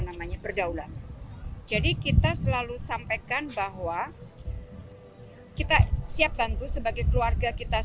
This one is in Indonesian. namanya berdaulat jadi kita selalu sampaikan bahwa kita siap bantu sebagai keluarga kita